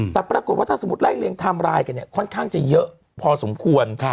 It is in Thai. แต่ปรากฏว่าถ้าสมมุติไล่เรียงไทม์ไลน์กันเนี่ยค่อนข้างจะเยอะพอสมควร